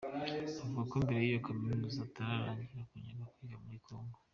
Avuga ko mbere iyo kaminuza itaratangira yajyaga kwiga muri Congo.